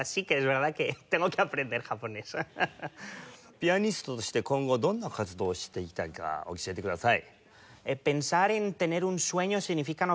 ピアニストとして今後どんな活動をしていきたいか教えてください。